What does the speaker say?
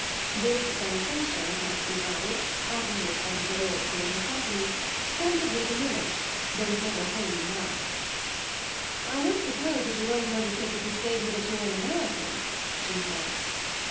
This sensation, it must be added, after he had spent a day or two in her company, sensibly diminished, though it never wholly lapsed. "I don't suppose that you're going to undertake to persuade me that you're an American," she said.